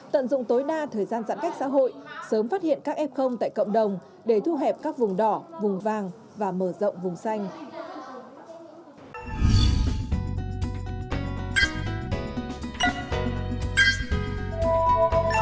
tận dụng tối đa thời gian giãn cách xã hội sớm phát hiện các f tại cộng đồng để thu hẹp các vùng đỏ vùng vàng và mở rộng vùng xanh